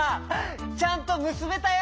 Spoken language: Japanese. ちゃんとむすべたよ！